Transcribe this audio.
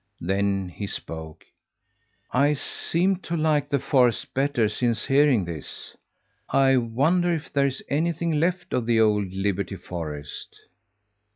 Then he spoke: "I seem to like the forest better since hearing this. I wonder if there is anything left of the old Liberty Forest."